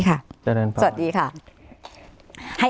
สวัสดีค่ะ